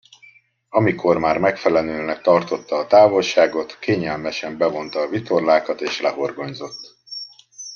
Amikor már megfelelőnek tartotta a távolságot, kényelmesen bevonta a vitorlákat és lehorgonyzott.